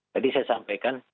tadi saya sampaikan